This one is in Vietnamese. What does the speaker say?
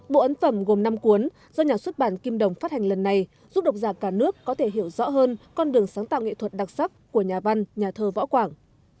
bộ ấn phẩm gồm năm cuốn do nhà xuất bản kim đồng phát hành lần này giúp độc giả cả nước có thể hiểu rõ hơn con đường sáng tạo nghệ thuật đặc sắc của nhà văn nhà thơ võ quảng